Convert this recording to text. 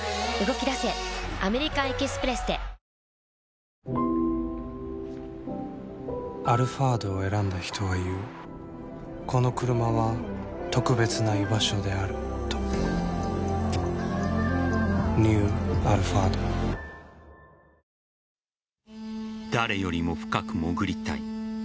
カルピスソーダ！「アルファード」を選んだ人は言うこのクルマは特別な居場所であるとニュー「アルファード」誰よりも深く潜りたい。